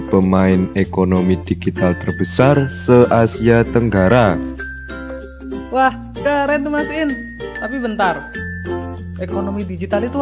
pemain ekonomi digital terbesar se asia tenggara wah udah ren to map in tapi bentar ekonomi digital itu